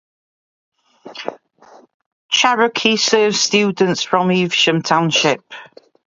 Cherokee serves students from Evesham Township.